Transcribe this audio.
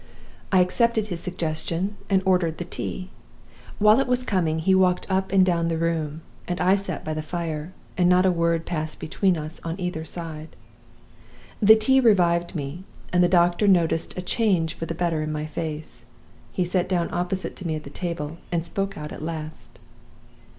"I accepted his suggestion; and he ordered the tea. While it was coming, he walked up and down the room, and I sat by the fire, and not a word passed between us on either side. "The tea revived me; and the doctor noticed a change for the better in my face. He sat down opposite to me at the table, and spoke out at last.